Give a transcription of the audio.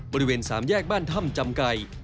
บริเวณสามแยกบ้านถ้ำจำไก่